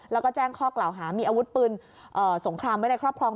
แล้วก็แจ้งข้อกล่าวหามีอาวุธปืนสงครามไว้ในครอบครอง